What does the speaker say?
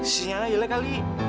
sinyal aja lah kali